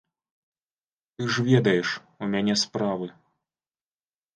Ты ж ведаеш, у мяне справы.